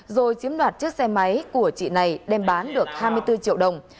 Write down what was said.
rồi chiếm đoạt chiếc xe máy của chị này đem bán được hai mươi bốn triệu đồng